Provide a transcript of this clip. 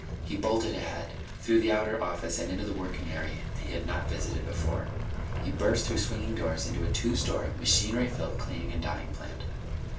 He bolted ahead, through the outer office and into the working area he had not visited before. He burst through swinging doors into a two story, machinery filled cleaning and dyeing plant.